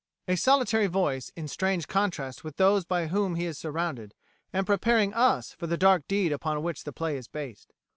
a solitary voice in strange contrast with those by whom he is surrounded, and preparing us for the dark deed upon which the play is based.